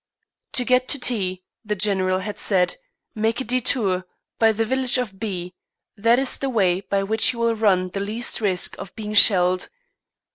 "To get to T ," the General had said, "make a détour by the village of B , that is the way by which you will run the least risk of being shelled.